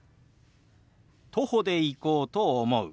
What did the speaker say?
徒歩で行こうと思う。